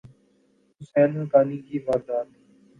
حسین حقانی کی واردات